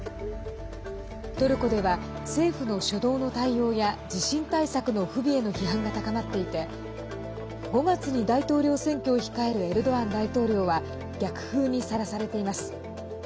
トルコでは、政府の初動の対応や地震対策の不備への批判が高まっていて５月に大統領選挙を控えるエルドアン大統領は逆風にさらされています。